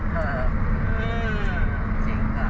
ฟอร์ตปุ๊บคลายอีกรถหลา